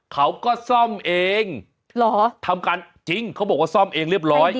เขาก็ซ่อมเองเหรอทำการจริงเขาบอกว่าซ่อมเองเรียบร้อย